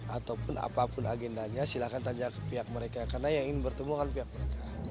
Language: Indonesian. ataupun apapun agendanya silahkan tanya ke pihak mereka karena yang ingin bertemu kan pihak mereka